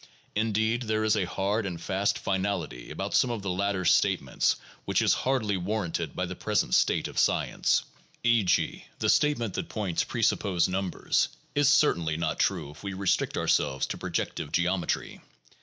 Indeed, there is a hard and fast finality about some of the latter 's statements which is hardly warranted by the present state of science, e. g., the statement that points presuppose numbers (p. 174) is certainly not PSYCHOLOGY AND SCIENTIFIC METHODS 207 true if we restrict ourselves to projective geometry.